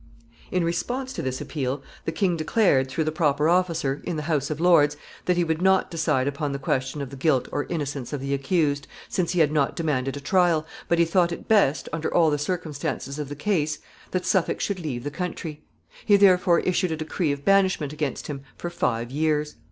[Sidenote: Sentence of banishment.] In response to this appeal, the king declared, through the proper officer, in the House of Lords, that he would not decide upon the question of the guilt or innocence of the accused, since he had not demanded a trial, but he thought it best, under all the circumstances of the case, that Suffolk should leave the country. He therefore issued a decree of banishment against him for five years.